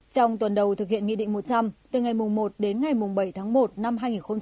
trong tuần đầu thực hiện nghị định một trăm linh từ ngày một đến ngày bảy tháng một năm hai nghìn hai mươi